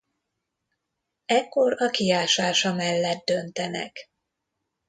Ekkor a kiásása mellett döntenek.